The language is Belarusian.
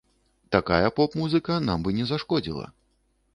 Такая поп-музыка нам бы не зашкодзіла.